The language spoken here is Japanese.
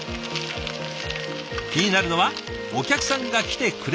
気になるのはお客さんが来てくれるのか。